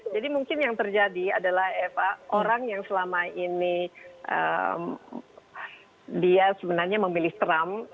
jadi mungkin yang terjadi adalah eva orang yang selama ini dia sebenarnya memilih trump